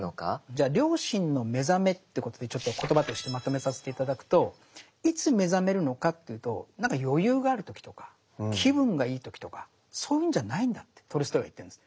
じゃあ良心の目覚めってことでちょっと言葉としてまとめさせて頂くといつ目覚めるのかっていうとなんか余裕がある時とか気分がいい時とかそういうんじゃないんだってトルストイは言ってるんです。